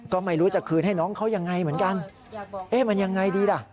ก็ไม่รู้จะคืนให้น้องเขายังไงเหมือนกันเอ๊ะมันยังไงดีล่ะ